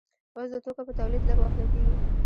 اوس د توکو په تولید لږ وخت لګیږي.